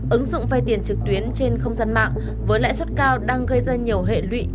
ứng dụng vay tiền trực tuyến trên không gian mạng với lãi suất cao đang gây ra nhiều hệ lụy